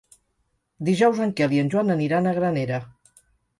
Dijous en Quel i en Joan aniran a Granera.